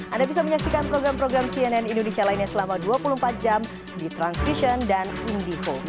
anda bisa menyaksikan program program cnn indonesia lainnya selama dua puluh empat jam di transvision dan indico